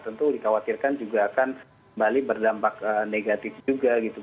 tentu dikhawatirkan juga akan kembali berdampak negatif juga gitu